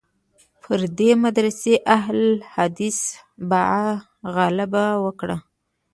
پر دې مدرسې اهل حدیثي بعد غلبه وکړه.